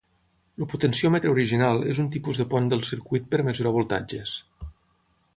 El potenciòmetre original és un tipus de pont del circuit per a mesurar voltatges.